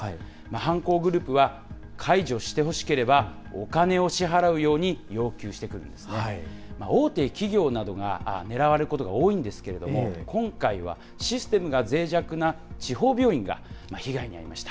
犯行グループは、解除してほしければお金を支払うように要求してくるんですね。大手企業などが狙われることが多いんですけれども、今回はシステムがぜい弱な地方病院が被害に遭いました。